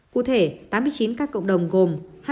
cụ thể tám mươi chín ca cộng đồng gồm